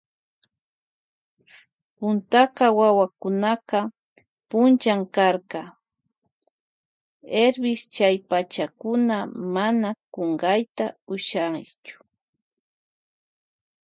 Puntaka wawakunaka punllan karka Hervis chay pachakuna mana kunkayta ushaychu.